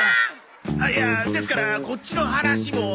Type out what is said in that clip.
いやですからこっちの話も。